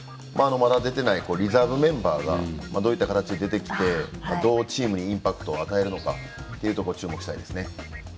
まだ出ていないリザーブメンバーがどういった形で出てきてどうチームにインパクトを与えるか注目したいです。